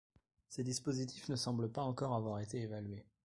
Ces dispositifs ne semblent pas encore avoir été évalués.